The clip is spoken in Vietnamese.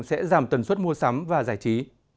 sẽ giảm tần suất mua sắm và giải trí